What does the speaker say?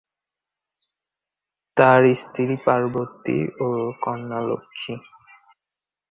তার স্ত্রী পার্বতী ও কন্যা লক্ষ্মী।